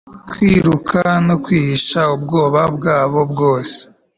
kwiruka no kwihisha ubwoba bwabo bwose